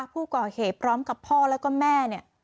ผู้ก่อเหพร้อมกับพ่อแล้วก็แม่